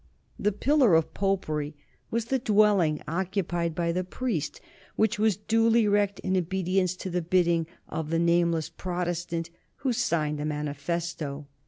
The "pillar of popery" was the dwelling occupied by the priest, which was duly wrecked in obedience to the bidding of the nameless "Protestant" who signed the manifesto.